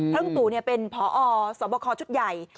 เพิ่งตู่เป็นพอสคชุดใหญ่